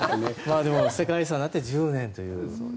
世界遺産になって１０年という。